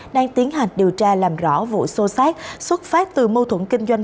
đang tiến hành điều tra làm rõ vụ xô xát xuất phát từ mâu thuẫn kinh doanh